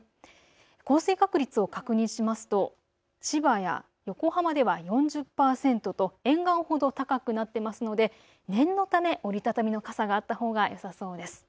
降水確率を確認しますと千葉や横浜では４０％と沿岸ほど高くなっていますので念のため折り畳みの傘があったほうがよさそうです。